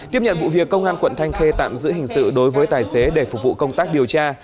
tiếp nhận vụ việc công an quận thanh khê tạm giữ hình sự đối với tài xế để phục vụ công tác điều tra